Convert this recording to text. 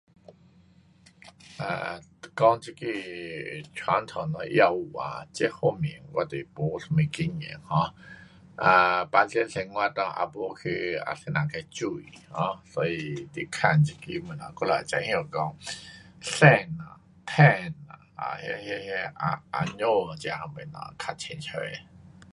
um 是讲这个传统的药物啊，这方面我就是没什么经验 um 啊平常生活内也没去啊怎样去注意 um 所以你问这个东西，我们会知晓讲参呐，蛏呐，啊那那那红,红枣这样东西较清楚。